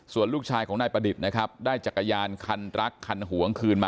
ส่วนลูกชายของนายประดิษฐ์นะครับได้จักรยานคันรักคันหวงคืนมา